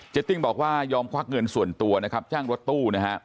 ตติ้งบอกว่ายอมควักเงินส่วนตัวนะครับจ้างรถตู้นะฮะ